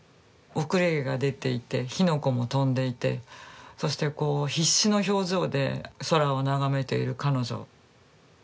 後れ毛が出ていて火の粉も飛んでいてそしてこう必死の表情で空を眺めている彼女。